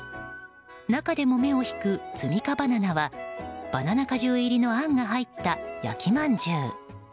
中でも目を引く摘み菓バナナはバナナ果汁入りのあんが入った焼きまんじゅう。